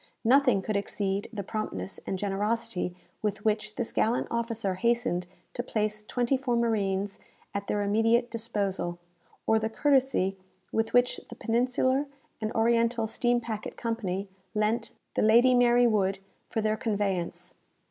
Nothing could exceed the promptness and generosity with which this gallant officer hastened to place twenty four marines at their immediate disposal; or the courtesy with which the Peninsular and Oriental Steam Packet Company lent the "Lady Mary Wood" for their conveyance.